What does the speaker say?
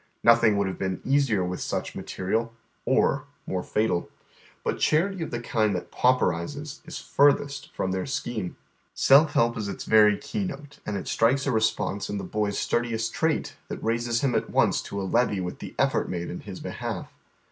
Nothing would have been easier witii such inatei iai, or more fatal. But charity of the kind that pauperizes is furthest from their scheme. Self help is its very key note, and it strikes a response in the boy's stui diest trait that raises iiiin at once to a leve! with the effort made in his behalf.